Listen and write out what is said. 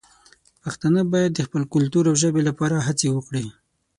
پښتانه باید د خپل کلتور او ژبې لپاره هڅې وکړي.